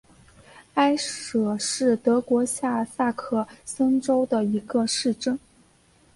埃舍是德国下萨克森州的一个市镇。